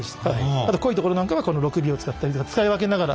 あと濃いところなんかはこの６Ｂを使ったりとか使い分けながら。